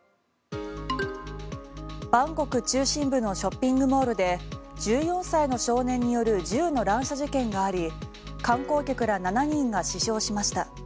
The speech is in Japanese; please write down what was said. バンコク中心部のショッピングモールで１４歳の少年による銃の乱射事件があり観光客ら７人が死傷しました。